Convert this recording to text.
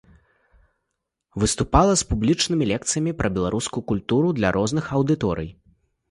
Выступала з публічнымі лекцыямі пра беларускую культуру для розных аўдыторый.